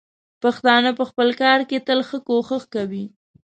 پښتانه په خپل کار کې تل ښه کوښښ کوي.